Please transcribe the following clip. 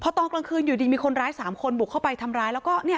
ตอนกลางคืนอยู่ดีมีคนร้าย๓คนบุกเข้าไปทำร้ายแล้วก็เนี่ย